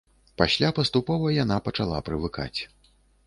Пасля паступова яна пачала прывыкаць.